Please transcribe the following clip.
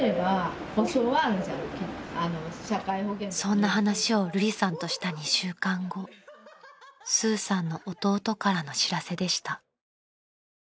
［そんな話をるりさんとした２週間後スーさんの弟からの知らせでした］